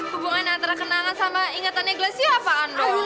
hubungannya antara kenangan sama ingetannya gracio apaan dong